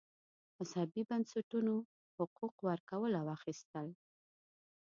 مذهبي بنسټونو حقوق ورکول او اخیستل.